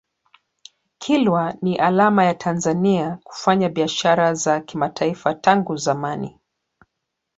kilwa ni alama ya tanzania kufanya biashara za kimataifa tangu zamani